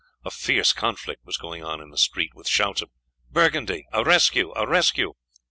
A fierce conflict was going on in the street, with shouts of "Burgundy!" "A rescue!" "A rescue!"